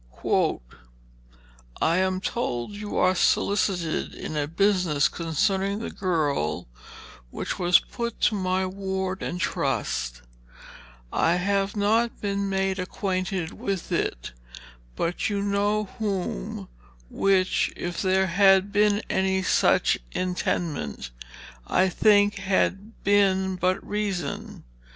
[Illustration: James Flagg, Five Years Old, 1744] "I am told you are sollicited in a busniss concerninge the girle which was putt to my warde and trust. I have not been made acquainted with it by you know whome, which, if there had been any such intendment, I think had been but reason.